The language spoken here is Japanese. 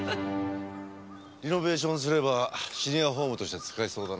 リノベーションすればシニアホームとして使えそうだな。